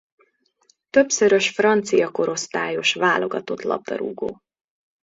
Többszörös francia korosztályos válogatott labdarúgó.